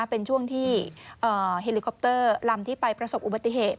เป็นช่วงที่เฮลิคอปเตอร์ลำที่ไปประสบอุบัติเหตุ